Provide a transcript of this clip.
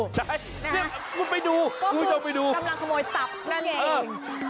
ใช่นี่กูไปดูกำลังขโมยตับนั่นเอง